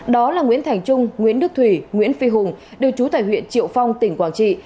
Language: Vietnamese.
đó là nguyễn thành trung nguyễn đức thủy nguyễn phi hùng đều trú tại huyện triệu phong tỉnh quảng trị